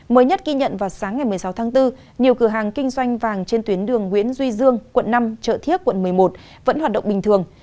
mới nhất ghi nhận vào sáng ngày một mươi sáu tháng bốn nhiều cửa hàng kinh doanh vàng trên tuyến đường nguyễn duy dương quận năm chợ thiết quận một mươi một vẫn hoạt động bình thường